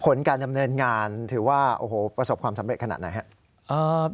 ผลการดำเนินงานถือว่าโอ้โหประสบความสำเร็จขนาดไหนครับ